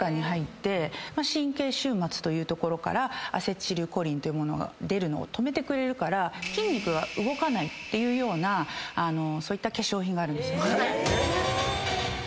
神経終末という所からアセチルコリンっていう物が出るのを止めてくれるから筋肉が動かないっていうようなそういった化粧品があるんですね。